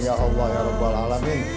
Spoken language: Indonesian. ya allah ya rabbul alamin